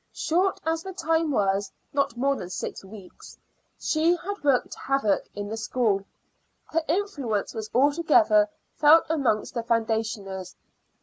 Short as the time was not more than six weeks she had worked havoc in the school. Her influence was altogether felt amongst the foundationers.